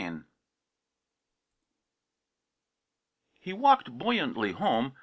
_ IV He walked buoyantly home.